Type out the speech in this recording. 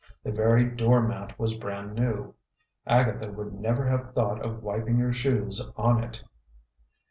The very door mat was brand new; Agatha would never have thought of wiping her shoes on it.